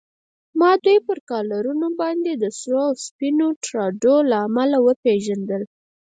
ما دوی پر کالرونو باندې د سرو او سپینو ټراډو له امله و پېژندل.